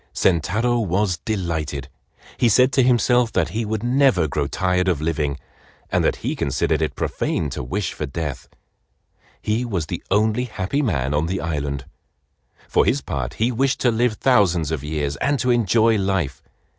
Sentaro was delighted. He said to himself that he would never grow tired of living, and that he considered it profane to wish for death. He was the only happy man on the island. For his part he wished to live thousands of years and to enjoy life.